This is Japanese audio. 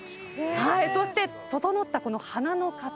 そして整ったこの花の形。